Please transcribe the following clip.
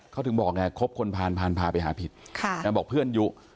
เขาถึงบอกเนี้ยครบคนพานพานพาไปหาผิดค่ะแล้วบอกเพื่อนยุ